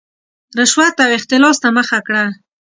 رشوت او اختلاس ته مخه کړه.